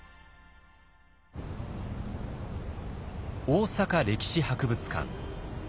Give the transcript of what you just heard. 大阪歴史博物館。